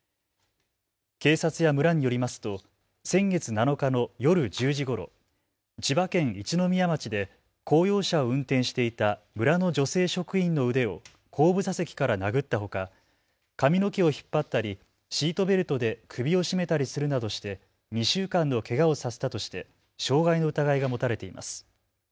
警察や村によりますと先月７日の夜１０時ごろ千葉県一宮町で公用車を運転していた村の女性職員の腕を後部座席から殴ったほか髪の毛を引っ張ったりシートベルトで首を絞めたりするなどして２週間のけがをさせたとして傷害の疑いが持たれています。